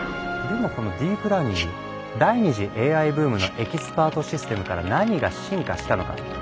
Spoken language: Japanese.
でもこのディープラーニング第２次ＡＩブームのエキスパートシステムから何が進化したのか？